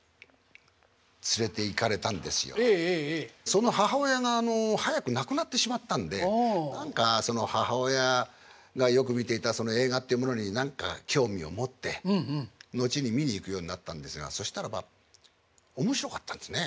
その母親が早く亡くなってしまったんで何かその母親がよく見ていたその映画っていうものに何か興味を持って後に見に行くようになったんですがそしたらば面白かったんですね